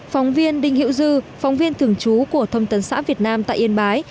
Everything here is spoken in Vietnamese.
phóng viên đinh hữu dư phóng viên thường trú của thông tấn xã việt nam tại yên bái